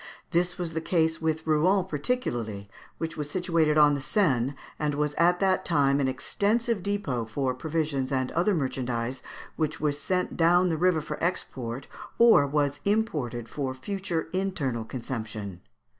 This was the case with Rouen particularly, which was situated on the Seine, and was at that time an extensive depôt for provisions and other merchandise which was sent down the river for export, or was imported for future internal consumption.